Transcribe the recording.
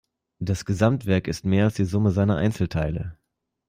Das Gesamtwerk ist mehr als die Summe seiner Einzelteile.